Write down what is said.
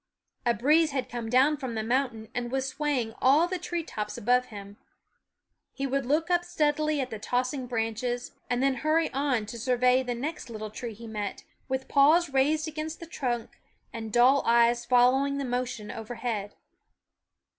A breeze had come down from the mountain and was swaying all the tree tops above him. SCHOOL OF g He would look up steadily at the tossing *57 / JC^y/ ^ ranc ^ es ' an d t^ 1611 hurry on to survey the ' Fun re ne met ' w ^h P aws raised against the trunk and dull eyes following the motion overhead.